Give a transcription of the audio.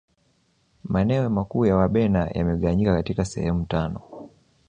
maeneo makuu ya wabena yamegawanyika katika sehemu tano